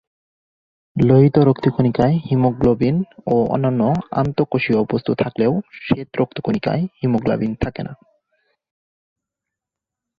লোহিত রক্তকণিকায় হিমোগ্লোবিন ও অন্যান্য অন্তঃকোষীয় বস্তু থাকলেও শ্বেত রক্তকণিকায় হিমোগ্লোবিন থাকে না।